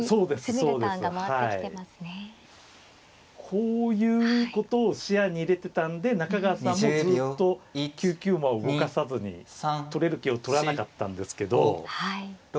こういうことを視野に入れてたんで中川さんもずっと９九馬を動かさずに取れる桂を取らなかったんですけど。